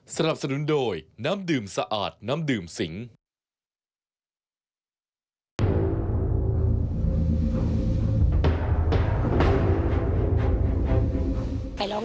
สนับสนุนโดยน้ำดื่มสะอาดน้ำดื่มสิง